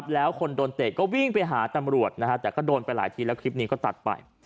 แล้วคนโดนเตะก็วิ่งไปหาตำรวจนะฮะแต่ก็โดนไปหลายทีแล้วคลิปนี้ก็ตัดไป